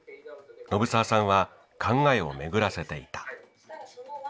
信澤さんは考えを巡らせていた。